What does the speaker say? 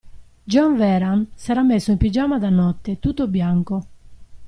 John Vehrehan s'era messo in pigiama da notte, tutto bianco.